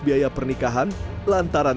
biaya pernikahan lantaran